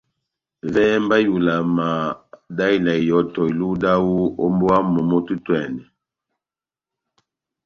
Vɛhɛ mba ihulama dá ivala ihɔtɔ iluhu dáwu ó mbówa momó tɛ́h otwɛ́nɛ́.